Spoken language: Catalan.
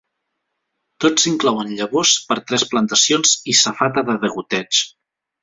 Tots inclouen llavors per tres plantacions i safata de degoteig.